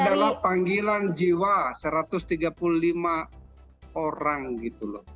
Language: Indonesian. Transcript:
adalah panggilan jiwa satu ratus tiga puluh lima orang gitu loh